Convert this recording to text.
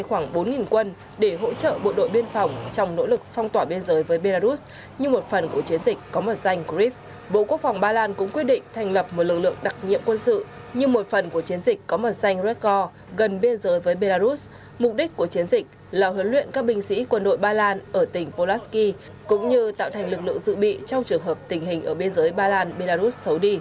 bộ trưởng quốc phòng ba lan ngày hôm qua cho biết ba lan sẽ thành lập một lực lượng đặc nhiệm quân sự cho mục đích huấn luyện và phòng thủ gần biên giới với belarus